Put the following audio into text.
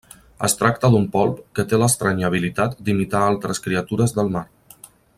Es tracta d'un polp que té l'estranya habilitat d'imitar a altres criatures del mar.